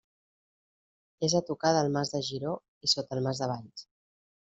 És a tocar del Mas de Giró i sota el Mas de Valls.